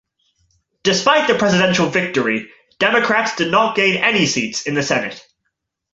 Despite the presidential victory, Democrats did not gain any seats in the Senate.